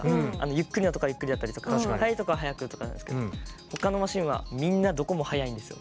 ゆっくりのところはゆっくりだったりとか速いところは速くとかなんすけど他のマシンはみんなどこも速いんですよ。